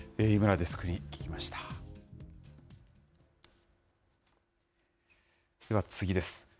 では次です。